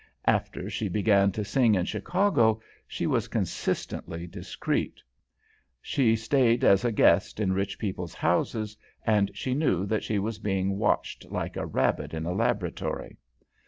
After she began to sing in Chicago, she was consistently discreet. She stayed as a guest in rich people's houses, and she knew that she was being watched like a rabbit in a laboratory.